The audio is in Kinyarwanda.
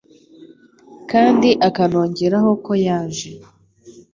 kandi akanongeraho ko yaje